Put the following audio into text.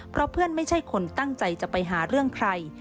เพราะเพื่อนไม่ใช่คนตั้งใจจะไปหาเรื่องใคร